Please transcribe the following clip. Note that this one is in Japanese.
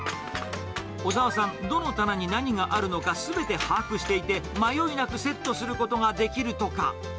小澤さん、どの棚に何があるのかすべて把握していて、迷いなくセットすることができるとか。